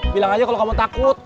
bilang aja kalau kamu takut